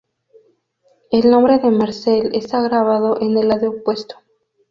El nombre de Marcelle está grabado en el lado opuesto.